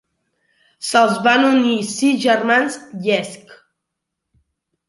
Se'ls van unir sis germans llecs.